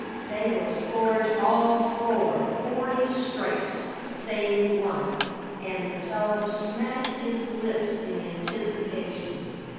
"They will scourge all four forty stripes save one," and the fellow smacked his lips in anticipation.